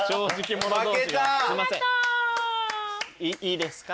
いいですか？